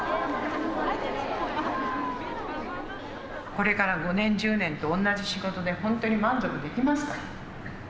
これから５年１０年と同じ仕事でほんとに満足できますか？